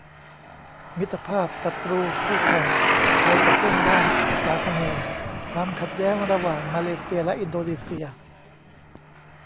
มิตรภาพ ศัตรู คู่แข่ง ไทยกับเพื่อนบ้านอุษาคเนย์ : ความขัดแย้งระหว่างมาเลเซียและอินโดนีเซีย